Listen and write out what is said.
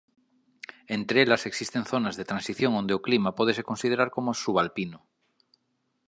Entre elas existen zonas de transición onde o clima pódese considerar coma subalpino.